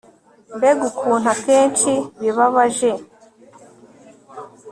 mbega ukuntu akenshi bibabaje